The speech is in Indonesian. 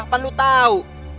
kan lu tau